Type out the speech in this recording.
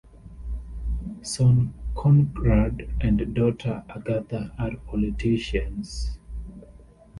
Son Conrad and daughter Agatha are politicians.